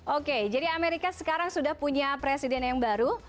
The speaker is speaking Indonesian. oke jadi amerika sekarang sudah punya presiden yang baru